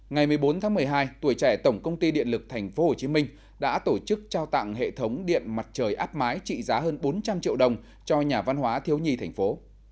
ngày một mươi bốn tháng một mươi hai tuổi trẻ tổng công ty điện lực tp hcm đã tổ chức trao tặng hệ thống điện mặt trời áp mái trị giá hơn bốn trăm linh triệu đồng cho nhà văn hóa thiếu nhi thành phố